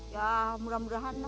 ya mudah mudahan lah